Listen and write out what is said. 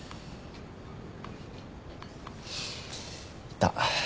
いた。